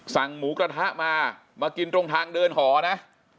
หมูกระทะมามากินตรงทางเดินหอนะ